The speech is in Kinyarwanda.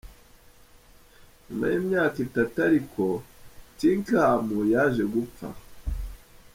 Nyuma y’imyaka itatu ariko Tinkham yaje gupfa.